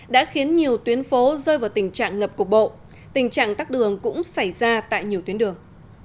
đã khiến nhiều tuyến phố rơi vào tình trạng ngập cục bộ tình trạng tắt đường cũng xảy ra tại nhiều tuyến đường